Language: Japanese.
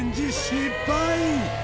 失敗